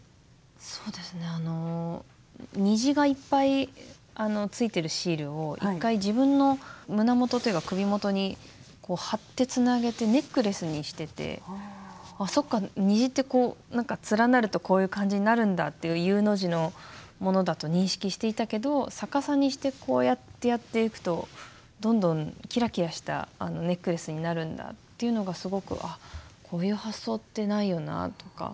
そうですねあの虹がいっぱいついてるシールを一回自分の胸元というか首元にこう貼ってつなげてネックレスにしててあそっか虹ってこう何か連なるとこういう感じになるんだっていうＵの字のものだと認識していたけど逆さにしてこうやってやっていくとどんどんキラキラしたネックレスになるんだっていうのがすごくあっこういう発想ってないよなとか。